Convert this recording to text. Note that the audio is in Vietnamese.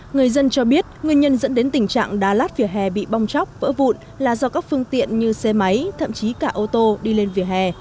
người dân cho biết nguyên nhân dẫn đến tình trạng đá lát vỉa hè bị bong chóc vỡ vụn là do các phương tiện như xe máy thậm chí cả ô tô đi lên vỉa hè